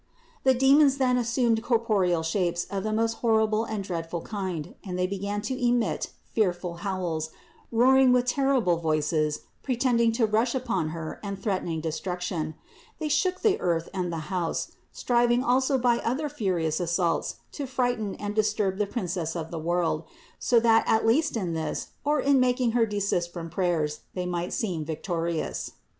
342. The demons then assumed corporeal shapes of the most horrible and dreadful kind; and they began to emit fearful howls, roaring with terrible voices, pre tending to rush upon Her and threatening destruction; they shook the earth and the house, striving also by other furious assaults to frighten and disturb the Princess of the world; so that at least in this, or in making Her desist from prayer, they might seem victorious.